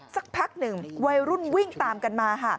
สักพักหนึ่งวัยรุ่นวิ่งตามกันมา